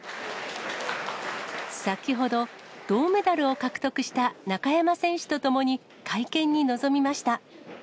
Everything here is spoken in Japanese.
先ほど、銅メダルを獲得した中山選手と共に、会見に臨みました。